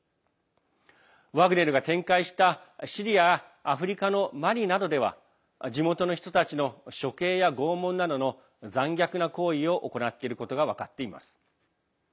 ワグネルが展開したシリアやアフリカのマリなどでは地元の人たちの処刑や拷問などの残虐な行為を行っていることが分かっています。